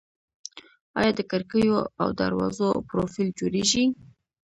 آیا د کړکیو او دروازو پروفیل جوړیږي؟